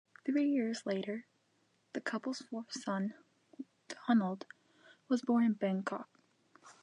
Three years later, the couple's fourth son, Donald, was born in Bangkok.